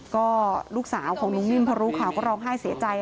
ก็ลูกสาวของลุงนิ่มพอรู้ข่าวก็ร้องไห้เสียใจ